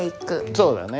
そうだよね。